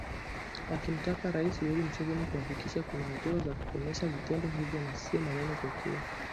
akimtaka Rais Yoweri Museveni kuhakikisha kuna hatua za kukomesha vitendo hivyo na sio maneno pekee